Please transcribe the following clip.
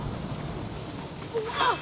うわっ！